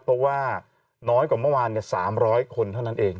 เพราะว่าน้อยกว่าเมื่อวาน๓๐๐คนเท่านั้นเอง